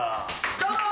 どうも！